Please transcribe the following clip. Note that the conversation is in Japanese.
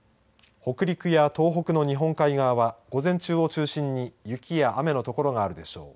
北陸や東北の日本海側は午前中を中心に雪や雨の所があるでしょう。